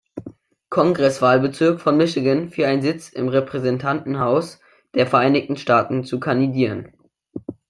Kongresswahlbezirk von Michigan für einen Sitz im Repräsentantenhaus der Vereinigten Staaten zu kandidieren.